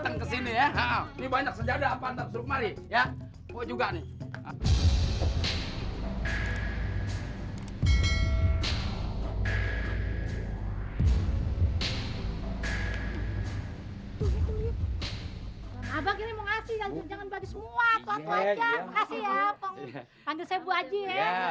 abang ini mau ngasih jangan jangan semua